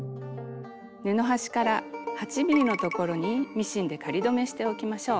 布端から８ｍｍのところにミシンで仮留めしておきましょう。